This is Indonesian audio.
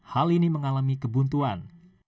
hal ini mengalami kebuntuan